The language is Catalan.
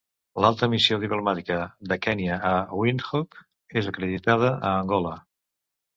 L'alta missió diplomàtica de Kenya a Windhoek és acreditada a Angola.